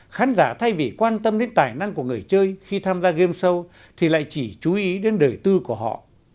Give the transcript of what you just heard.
khán giả thay vì quan tâm đến tài năng của người chơi khi tham gia game show thì lại chỉ chú ý đến đời tư của họ